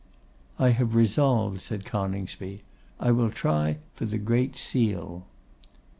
'I have resolved,' said Coningsby; 'I will try for the Great Seal.